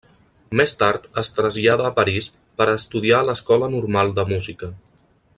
Més tard es trasllada a París per a estudiar a l'Escola Normal de Música.